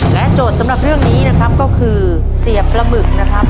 โจทย์สำหรับเรื่องนี้นะครับก็คือเสียบปลาหมึกนะครับ